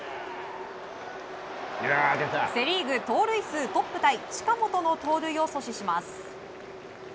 セ・リーグ盗塁数トップタイ近本の盗塁を阻止します。